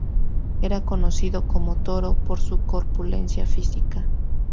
Era conocido como "Toro" por su corpulencia física.